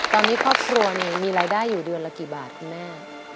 ตอนนี้ครอบครัวมีรายได้อยู่เดือนละกี่บาทคุณแม่